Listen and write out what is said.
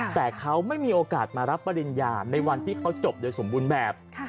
แต่เขาไม่มีโอกาสมารับปริญญาในวันที่เขาจบโดยสมบูรณ์แบบ